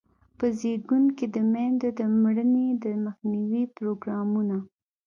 په زیږون کې د میندو د مړینې د مخنیوي پروګرامونه.